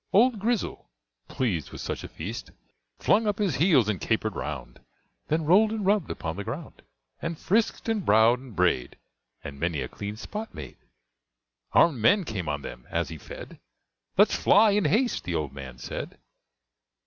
Old Grizzle, pleased with such a feast, Flung up his heels, and caper'd round, Then roll'd and rubb'd upon the ground, And frisk'd and browsed and bray'd, And many a clean spot made. Arm'd men came on them as he fed: "Let's fly," in haste the old man said.